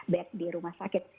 back di rumah sakit